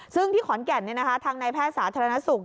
ซึ่งที่ขอนแก่นทางนายแพทย์สาธารณสุข